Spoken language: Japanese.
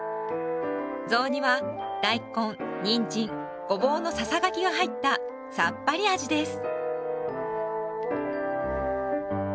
雑煮は大根にんじんごぼうのささがきが入ったさっぱり味です。